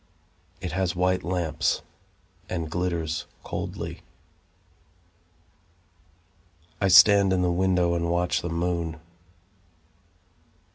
It has white lamps, And glitters coldly. I stand in the window and watch the moon.